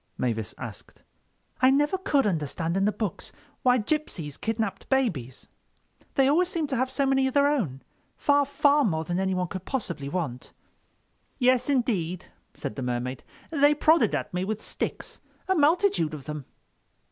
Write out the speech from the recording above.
Mavis asked. "I never could understand in the books why gypsies kidnapped babies. They always seem to have so many of their own—far, far more than anyone could possibly want." "Yes, indeed," said the Mermaid, "they prodded at me with sticks—a multitude of them."